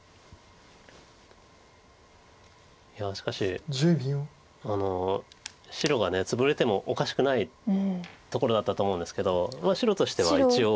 いやしかし白がツブれてもおかしくないところだったと思うんですけど白としては一応。